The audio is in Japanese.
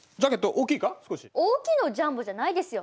「大きい」の「ジャンボ」じゃないですよ。